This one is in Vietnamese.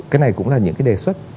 cái này cũng là những cái đề xuất